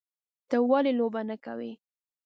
_ته ولې لوبه نه کوې؟